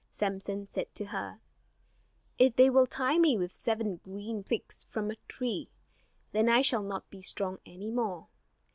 Samson said to her: "If they will tie me with seven green twigs from a tree, then I shall not be strong any more."